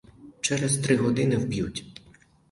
Через три години вб'ють.